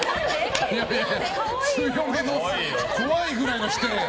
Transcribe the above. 強めの怖いぐらいの否定。